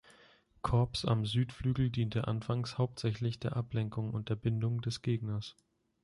Korps am Südflügel diente anfangs hauptsächlich der Ablenkung und der Bindung des Gegners.